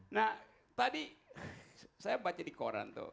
nah tadi saya baca di koran tuh